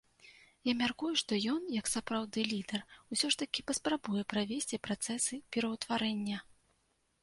Я мяркую, што ён, як сапраўды лідэр, усё ж такі паспрабуе правесці працэсы пераўтварэння.